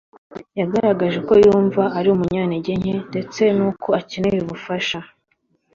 yagaragaje uko yumva ari umunyantege nke ndetse n’uko akeneye ubufasha.